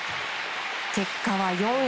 結果は４位。